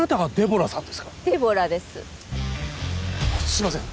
すいません